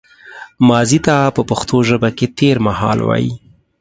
ماضي ته په پښتو ژبه کې تېرمهال وايي